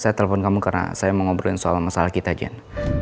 saya telepon kamu karena saya mau ngobrolin soal masalah kita jen